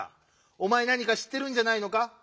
おまえなにかしってるんじゃないのか？